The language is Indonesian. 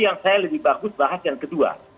yang saya lebih bagus bahas yang kedua